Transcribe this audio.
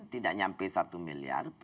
tidak nyampe satu miliar